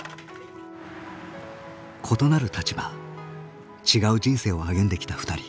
異なる立場違う人生を歩んできた２人。